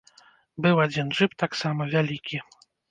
Быў адзін джып таксама, вялікі.